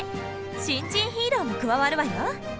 新人ヒーローも加わるわよ。